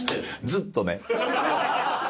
ずっとね。